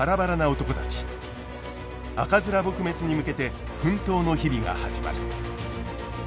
赤面撲滅に向けて奮闘の日々が始まる。